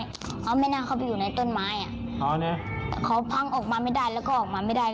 เขาไม่น่าเข้าไปอยู่ในต้นไม้อ่ะเขาพังออกมาไม่ได้แล้วก็ออกมาไม่ได้